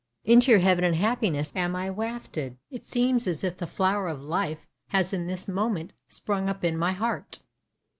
Into your heaven and happiness am I wafted. It seems as if the flower of life has in this moment sprung up in my heart."